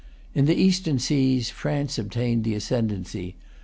In the eastern seas France obtained the ascendency.